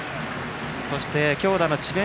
そして強打の智弁